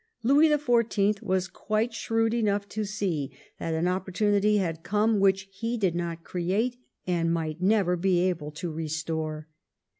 Louis the Fourteenth was quite shrewd enough to see that an opportunity had come which he did not create and might never be able to restore.